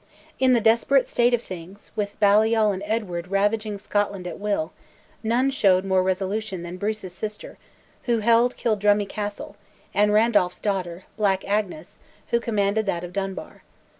In the desperate state of things, with Balliol and Edward ravaging Scotland at will, none showed more resolution than Bruce's sister, who held Kildrummie Castle; and Randolph's daughter, "Black Agnes," who commanded that of Dunbar.